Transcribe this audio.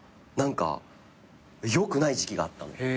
何かよくない時期があったの。